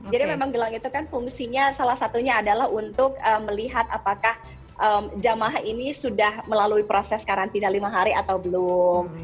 jadi memang gelang itu kan fungsinya salah satunya adalah untuk melihat apakah jemaah ini sudah melalui proses karantina lima hari atau belum